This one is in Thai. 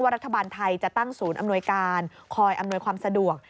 รัฐบาลไทยจะตั้งศูนย์อำนวยการคอยอำนวยความสะดวก